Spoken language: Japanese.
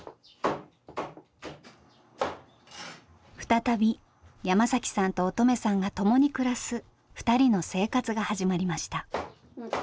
再び山さんと音十愛さんが共に暮らす２人の生活が始まりました。